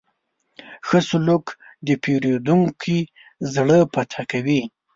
ښه سلوک د پیرودونکي زړه فتح کوي.